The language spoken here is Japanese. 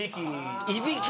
いびき。